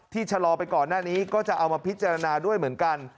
ชะลอไปก่อนหน้านี้ก็จะเอามาพิจารณาด้วยเหมือนกัน